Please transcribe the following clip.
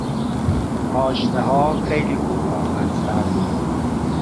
پاشنه ها خیلی کوتاه هستند.